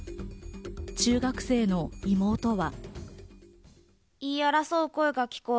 中学生の妹は。